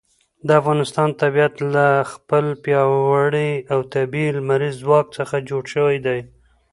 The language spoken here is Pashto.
د افغانستان طبیعت له خپل پیاوړي او طبیعي لمریز ځواک څخه جوړ شوی دی.